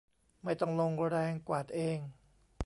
ไม่ต้องลงแรงกวาดเอง